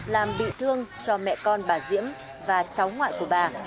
làm bị thương cho mẹ con bà diễm và cháu ngoại của bà